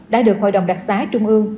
đã được hội đồng đặc sá trung ương